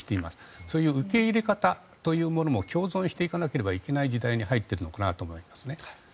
そういう受け入れ方というものも共存していかないといけない時代に入っているのかなと思いますね。